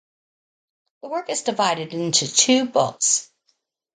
The work is divided into two books.